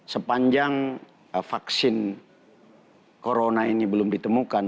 sepanjang vaksin corona ini belum ditemukan